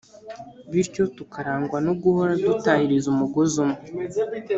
bityo tukarangwa no guhora dutahiriza umugozi umwe